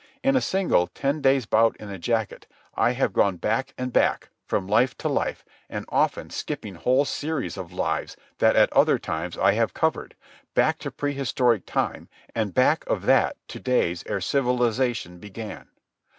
In a single ten days' bout in the jacket I have gone back and back, from life to life, and often skipping whole series of lives that at other times I have covered, back to prehistoric time, and back of that to days ere civilization began.